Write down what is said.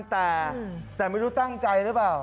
แต่ไม่รู้ตั้งใจหรือเปล่า